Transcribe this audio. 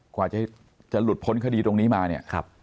กว่าจะหลุดพ้นคดีตรงนี้มาเนี่ย